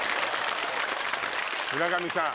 村上さん。